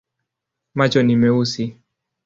Macho ni meusi.